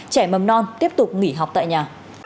trẻ mầm non tiếp tục nghỉ học tại nhà